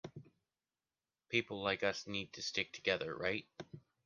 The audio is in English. People like us need to stick together, right?